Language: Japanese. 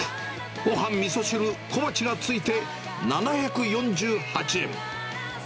ごはん、みそ汁、小鉢が付いて、７４８円。